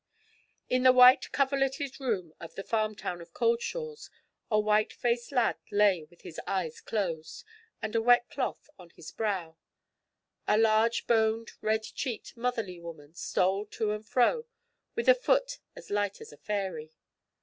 In the white coverleted 'room' of the farmtown of Cauldshaws, a white faced lad lay with his eyes closed, and a wet cloth on his brow. A large boned, red cheeked, motherly woman stole to and fro with a foot as light as a fairy.